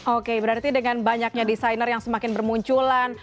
oke berarti dengan banyaknya desainer yang semakin bermunculan